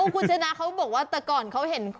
คุณชนะเขาบอกว่าแต่ก่อนเขาเห็น